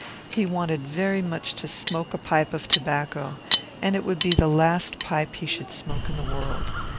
He wished very much to smoke a pipe, as it would be the last pipe he should ever smoke in the world.